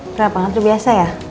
kenapa ngantri biasa ya